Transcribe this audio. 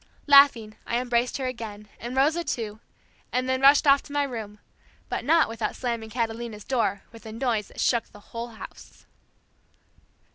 Laughing, I embraced her again, and Rosa too, and then rushed off to my room, but not without slamming Catalina's door with a noise that shook the whole house.